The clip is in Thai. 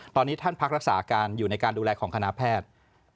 ตอนนี้ท่านพักรักษาการอยู่ในการดูแลของคณะแพทย์